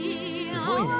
すごいね。